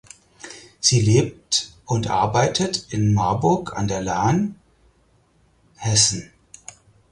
Sie lebt und arbeitet in Marburg an der Lahn (Hessen).